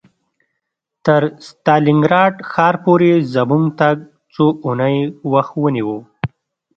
تر ستالینګراډ ښار پورې زموږ تګ څو اونۍ وخت ونیو